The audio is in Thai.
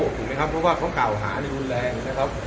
ถูกไหมครับเพราะว่าเขากล่าวหานี่รุนแรงนะครับ